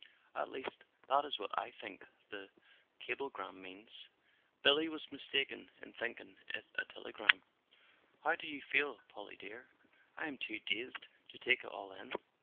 At least that is what I think the cablegram means. Billy was mistaken in thinking it a telegram. How do you feel, Polly dear? I am too dazed to take it all in."